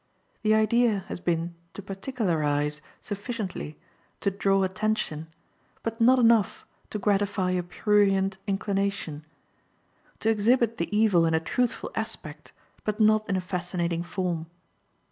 The idea has been to particularize sufficiently to draw attention, but not enough to gratify a prurient inclination; to exhibit the evil in a truthful aspect, but not in a fascinating form.